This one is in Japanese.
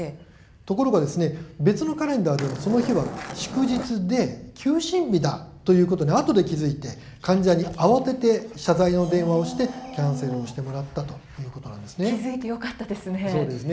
ところが別のカレンダーではその日は祝日で休診日だということにあとで気付いて患者に慌てて謝罪の電話をしてキャンセルしてもらった気付いてよかったですね。